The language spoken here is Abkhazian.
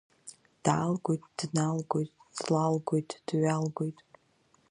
Даалгоит, дналгоит, длалгоит, дҩалгоит…